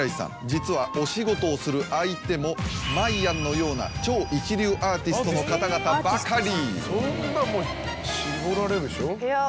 実はお仕事をする相手もまいやんのような超一流アーティストの方々ばかり！